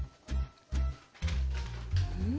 うん？